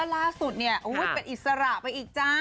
แล้วล่าสุดเป็นอิสระไปอีกจ้า